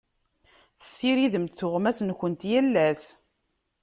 Tessiridemt tuɣmas-nkent yal ass.